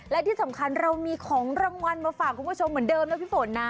และที่สำคัญเรามีของรางวัลมาฝากคุณผู้ชมเหมือนเดิมนะพี่ฝนนะ